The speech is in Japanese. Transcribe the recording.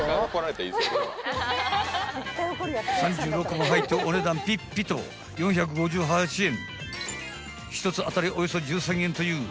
［３６個も入ってお値段ピッピと４５８円］